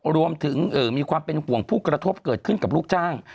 รวมถึงมีความเป็นห่วงผู้กระทบเกิดขึ้นกับลูกจ้าง